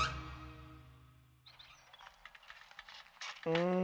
うん